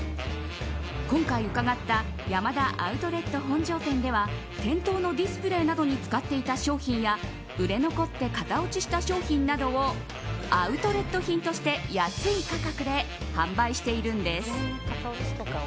今回伺ったヤマダアウトレット本庄店では店頭のディスプレーなどに使っていた商品や売れ残って型落ちした商品などをアウトレット品として安い価格で販売しているんです。